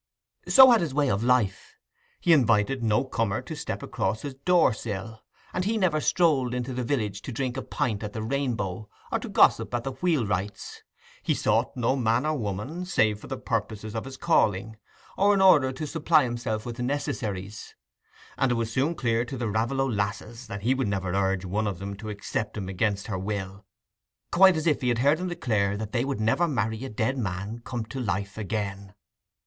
So had his way of life:—he invited no comer to step across his door sill, and he never strolled into the village to drink a pint at the Rainbow, or to gossip at the wheelwright's: he sought no man or woman, save for the purposes of his calling, or in order to supply himself with necessaries; and it was soon clear to the Raveloe lasses that he would never urge one of them to accept him against her will—quite as if he had heard them declare that they would never marry a dead man come to life again.